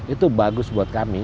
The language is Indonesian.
itu bagus buat kami